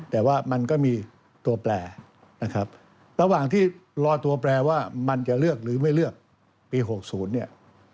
แต่ว่ามันก็มีตัวแปลนะครับระหว่างที่รอตัวแปลว่ามันจะเลือกหรือไม่เลือกปี๖๐เนี่ย